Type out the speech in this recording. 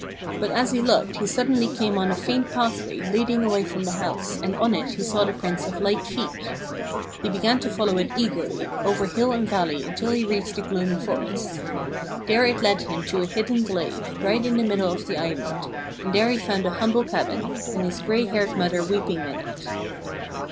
But as he looked he suddenly came on a faint pathway leading away from the house, and on it he saw the prints of light feet. He began to follow it eagerly, over hill and valley until he reached the gloomy forest. There it led him to a hidden glade, right in the middle of the island, and there he found a humble cabin, and his gray haired mother weeping in it.